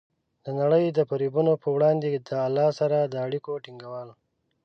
د نړۍ د فریبونو په وړاندې د الله سره د اړیکو ټینګول.